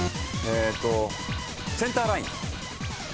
センターライン。